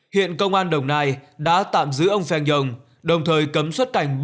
hiện công an đồng nai đã tạm giữ ông feng yong đồng thời cấm xuất cảnh